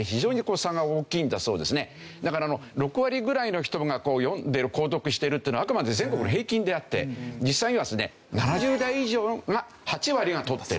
だから６割ぐらいの人が読んでる購読してるっていうのはあくまで全国の平均であって実際にはですね７０代以上が８割がとってると。